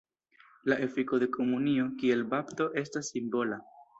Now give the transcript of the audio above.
La efiko de komunio, kiel bapto, estas simbola.